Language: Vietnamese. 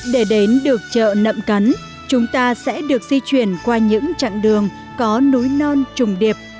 để đến được chợ nậm cắn chúng ta sẽ được di chuyển qua những chặng đường có núi non trùng điệp